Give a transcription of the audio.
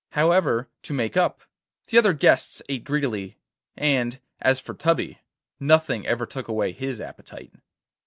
However, to make up, the other guests ate greedily, and, as for Tubby, nothing ever took away his appetite.